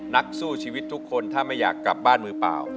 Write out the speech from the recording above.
นักสู้ชีวิตทุกคนถ้าไม่อยากกลับบ้านมือเปล่า